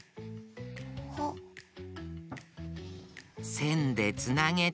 せんでつなげて。